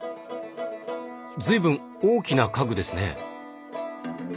随分大きな家具ですね。